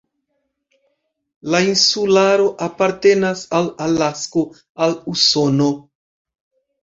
La insularo apartenas al Alasko, al Usono.